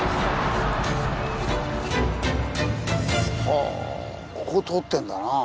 はあここ通ってんだなあ。